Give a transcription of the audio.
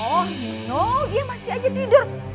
oh gitu dia masih aja tidur